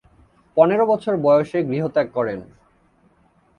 পনের বছর বয়সে গৃহত্যাগ করেন।